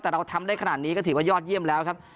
แต่เราทำได้ขนาดนี้ก็ถือว่ายอดเยี่ยมแล้วครับ